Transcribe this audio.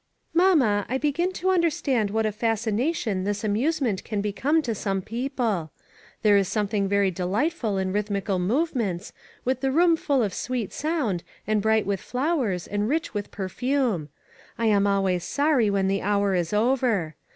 " Mamma, I begin to understand what a fascination this amuse ment can become to some people ; there is something very delightful in rhythmical movements, with the room full of sweet sound, and bright with flowers, and rich with perfume. I am always sorry when the hour is over.